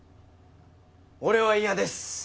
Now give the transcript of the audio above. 俺は嫌です